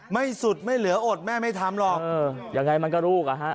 ไม่สุดไม่เหลืออดแม่ไม่ทำหรอก